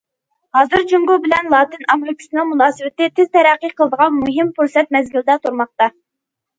ھازىر، جۇڭگو بىلەن لاتىن ئامېرىكىسىنىڭ مۇناسىۋىتى تېز تەرەققىي قىلىدىغان مۇھىم پۇرسەت مەزگىلىدە تۇرماقتا.